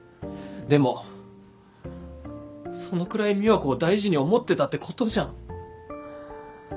でもそのくらい美和子を大事に思ってたってことじゃん。